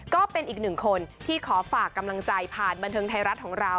ก็เป็นอีกหนึ่งคนที่ขอฝากกำลังใจผ่านบันเทิงไทยรัฐของเรา